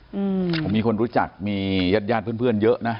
ผมมีคนรู้จักมีญาติญาติเพื่อนเยอะนะ